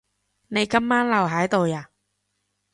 你今晚留喺度呀？